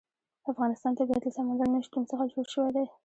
د افغانستان طبیعت له سمندر نه شتون څخه جوړ شوی دی.